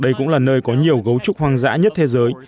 đây cũng là nơi có nhiều cấu trúc hoang dã nhất thế giới